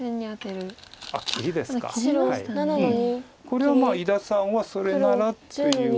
これは伊田さんはそれならという。